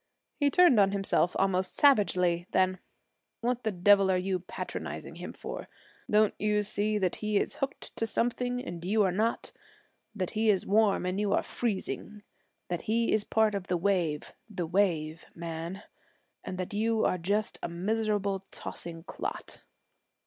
He turned on himself almost savagely. Then, 'What the devil are you patronizing him for? Don't you see that he is hooked to something and you are not, that he is warm and you are freezing, that he is part of the wave, the wave, man, and that you are just a miserable, tossing clot?'